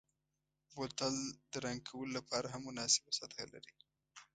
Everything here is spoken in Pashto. بوتل د رنګ کولو لپاره هم مناسبه سطحه لري.